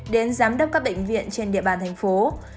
đến giám đốc các bệnh viện trên địa bàn thành phố